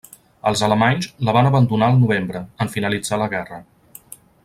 Els alemanys la van abandonar al novembre, en finalitzar la guerra.